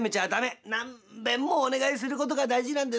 何べんもお願いすることが大事なんですよ。